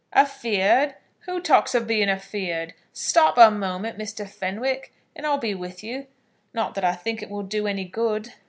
"Afeard! Who talks of being afeard? Stop a moment, Mr. Fenwick, and I'll be with you; not that I think it will do any good."